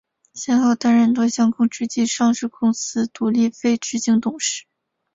先后担任多项公职及上市公司独立非执行董事。